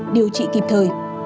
điều trị kịp thời